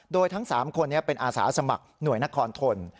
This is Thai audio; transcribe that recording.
โดยทั้ง๓คนนี้เป็นอาสาสมัครหน่วยนครทน